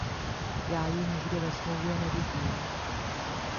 Já ji nikde ve smlouvě nevidím.